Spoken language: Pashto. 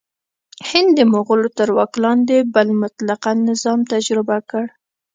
هند د مغولو تر واک لاندې بل مطلقه نظام تجربه کړ.